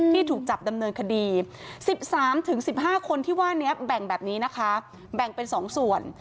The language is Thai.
ถูกจับดำเนินคดี๑๓๑๕คนที่ว่านี้แบ่งแบบนี้นะคะแบ่งเป็น๒ส่วน